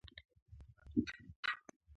د اوبو کیمیاوي فارمول څه شی دی.